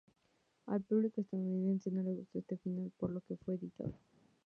Al público estadounidense no le gustó este final, por lo que fue editado.